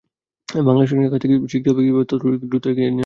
বাংলাদেশের কাছ থেকেই শিখতে হবে কীভাবে তথ্যপ্রযুক্তিতে দ্রুত এগিয়ে যাওয়া যায়।